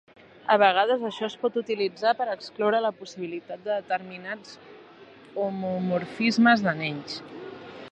A vegades això es pot utilitzar per excloure la possibilitat de determinats homomorfismes d'anells.